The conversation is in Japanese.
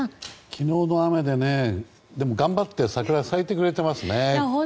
昨日の雨で頑張って桜咲いてくれてますね。